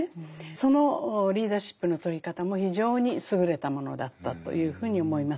そのリーダーシップの取り方も非常に優れたものだったというふうに思います。